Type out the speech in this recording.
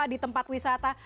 di tempat wisata